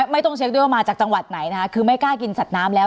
ไม่ต้องเช็คด้วยว่ามาจากจังหวัดไหนนะคะคือไม่กล้ากินสัตว์น้ำแล้ว